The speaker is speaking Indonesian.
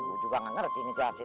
bu juga gak ngerti ngejahatin